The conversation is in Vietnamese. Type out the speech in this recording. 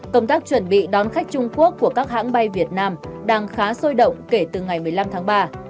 công tác chuẩn bị đón khách trung quốc của các hãng bay việt nam đang khá sôi động kể từ ngày một mươi năm tháng ba